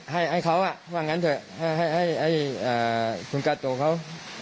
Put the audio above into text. ให้เขาว่างั้นเถอะให้คุณกาโตเขา